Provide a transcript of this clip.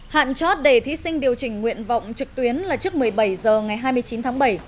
hạn chót để thí sinh điều chỉnh nguyện vọng trực tuyến là trước một mươi bảy h ngày hai mươi chín tháng bảy